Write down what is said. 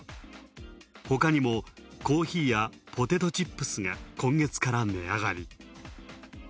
ほかにもコーヒーやポテトチップスが今月から値上がり。